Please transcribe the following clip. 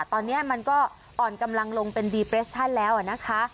ตอนเนี้ยมันก็อ่อนกำลังลงเป็นแล้วอ่ะนะคะ